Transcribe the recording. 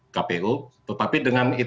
kpu tetapi dengan